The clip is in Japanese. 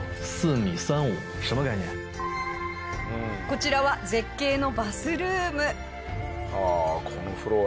こちらは絶景のバスルーム。